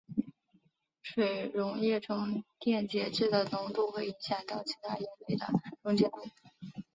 水溶液中电解质的浓度会影响到其他盐类的溶解度。